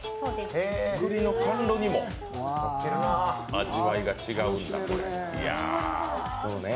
栗の甘露煮も、味わいが違うんだ。